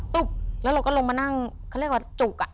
แล้วเราก็ลงมานั่งเขาเรียกว่าจุกอ่ะ